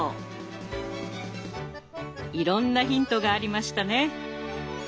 いろんなヒントがありましたね。